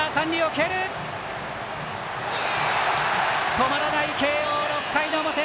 止まらない慶応、６回の表。